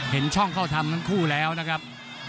เห็นช่องเข้าทำทั้งคู่แล้วนะครับ